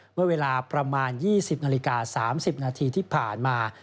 เมื่อเวลาประมาณ๒๐นาฬิกา๓๐นาทีที่ผ่านมา